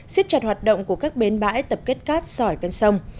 siết chặt hoạt động của các bến bãi tập kết cát sỏi bên sông